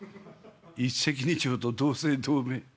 『一石二鳥』と『同姓同名』。